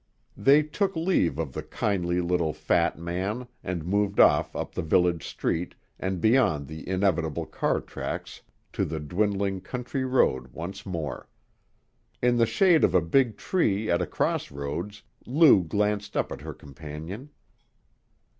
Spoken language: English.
They took leave of the kindly little fat man and moved off up the village street and beyond the inevitable car tracks to the dwindling country road once more. In the shade of a big tree at a crossroads, Lou glanced up at her companion.